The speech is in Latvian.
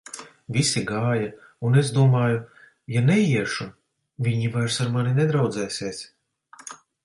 Visi gāja, un es domāju: ja neiešu, viņi vairs ar mani nedraudzēsies.